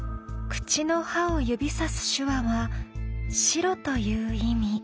口の歯を指さす手話は白という意味。